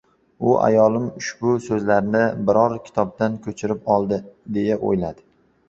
U, ayolim ushbu so‘zlarni biror kitobdan ko‘chirib oldi, deya o‘yladi.